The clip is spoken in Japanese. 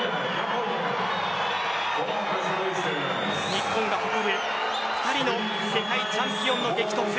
日本が誇る２人の世界チャンピオンの激突。